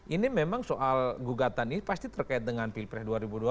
ini memang soal gugatan ini pasti terkait dengan pilpres dua ribu dua puluh